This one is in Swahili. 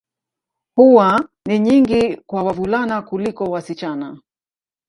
Huwa ni nyingi kwa wavulana kuliko wasichana.